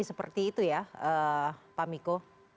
seperti itu ya pak miko